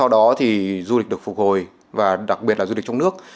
được phục hồi và đặc biệt là du lịch trong nước